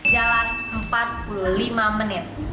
jalan empat puluh lima menit